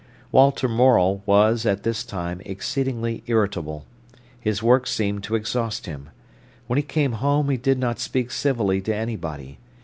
Walter Morel was, at this time, exceedingly irritable. His work seemed to exhaust him. When he came home he did not speak civilly to anybody.